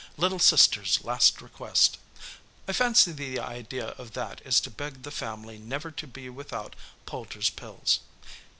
'Little sister's last request.' I fancy the idea of that is to beg the family never to be without Poulter's Pills.